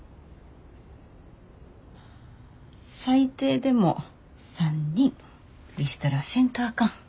最低でも３人リストラせんとあかん。